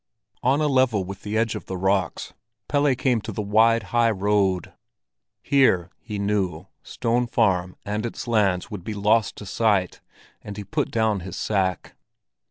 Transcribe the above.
On a level with the edge of the rocks, Pelle came to the wide high road. Here, he knew, Stone Farm and its lands would be lost to sight, and he put down his sack.